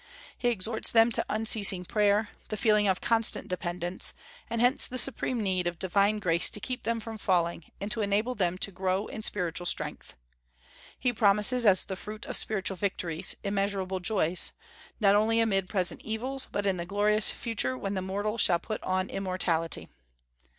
He exhorts them to unceasing prayer, the feeling of constant dependence, and hence the supreme need of divine grace to keep them from falling, and to enable them to grow in spiritual strength. He promises as the fruit of spiritual victories immeasurable joys, not only amid present evils, but in the glorious future when the mortal shall put on immortality.